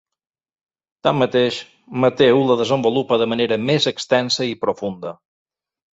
Tanmateix, Mateu la desenvolupa de manera més extensa i profunda.